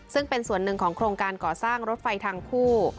ซึ่งเป็นส่วนหนึ่งของโครงการก่อสร้างรถไฟทางคู่